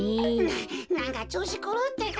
ななんかちょうしくるうってか。